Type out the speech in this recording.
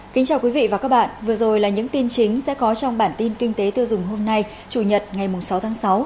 kính chào quý vị và các bạn vừa rồi là những tin chính sẽ có trong bản tin kinh tế tiêu dùng hôm nay chủ nhật ngày sáu tháng sáu